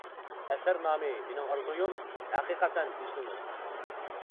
ئەسەر نامى «مېنىڭ ئارزۇيۇم» . ھەقىقەتەن ئېسىل نۇتۇق.